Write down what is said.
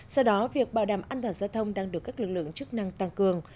do đó việc bảo đảm an toàn giao thông đang được các lực lượng chức năng tăng cường